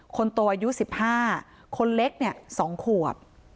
คนโตอายุสิบห้าคนเล็กเนี่ยสองขวบ